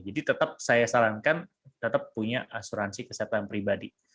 jadi tetap saya sarankan tetap punya asuransi kesehatan pribadi